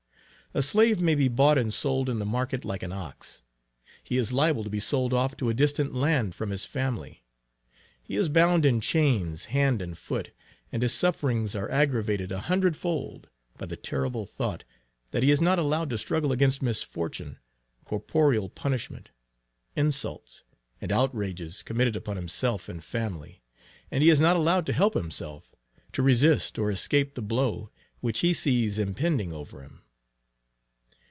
A slave may be bought and sold in the market like an ox. He is liable to be sold off to a distant land from his family. He is bound in chains hand and foot; and his sufferings are aggravated a hundred fold, by the terrible thought, that he is not allowed to struggle against misfortune, corporeal punishment, insults, and outrages committed upon himself and family; and he is not allowed to help himself, to resist or escape the blow, which he sees impending over him.